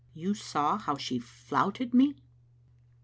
You saw how she flouted me?"